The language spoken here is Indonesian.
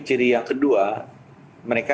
ciri yang kedua mereka